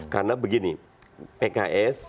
karena begini pks